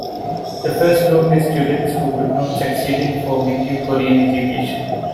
The first group is students who could not succeed in formative Korean education.